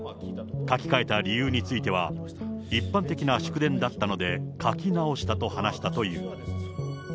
書き換えた理由については、一般的な祝電だったので、書き直したと話したという。